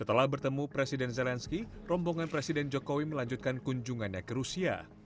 setelah bertemu presiden zelensky rombongan presiden jokowi melanjutkan kunjungannya ke rusia